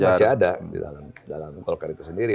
masih ada di dalam golkar itu sendiri